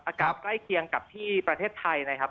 ใกล้เคียงกับที่ประเทศไทยนะครับ